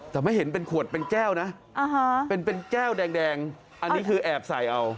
แต่ไม่เห็นเป็นขวดเป็นแก้วนะเป็นแก้วแดงอันนี้คือแอบใส่เอา